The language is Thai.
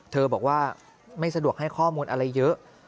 บอกว่าไม่สะดวกให้ข้อมูลอะไรเยอะ